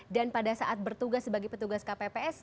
dan pada saat bertugas sebagai petugas kpps